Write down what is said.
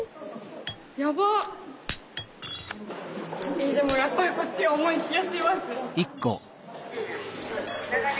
えっでもやっぱりこっちが重い気がします。